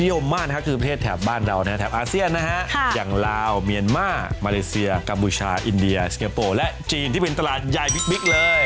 ยาวิชาอินเดียสเซง็โปและจีนที่เป็นตลาดใหญ่บริกเลย